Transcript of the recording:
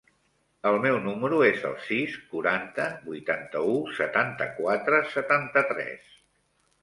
El meu número es el sis, quaranta, vuitanta-u, setanta-quatre, setanta-tres.